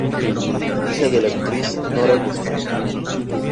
Hija de la actriz Nora Guzmán.